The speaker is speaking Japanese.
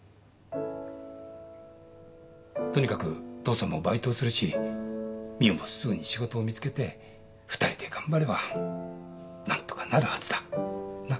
とにかく父さんもバイトをするし未央もすぐに仕事を見つけて２人で頑張れば何とかなるはずだなっ。